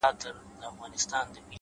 هر منزل له لومړي قدم پیلېږي’